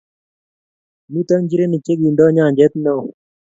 mito nchirenik che kinton nyanjet neoo